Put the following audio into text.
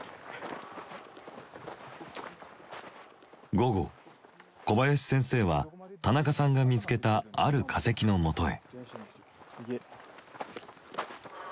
午後小林先生は田中さんが見つけたある化石のもとへ。